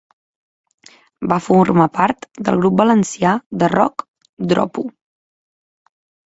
Va formar part del grup valencià de rock Dropo.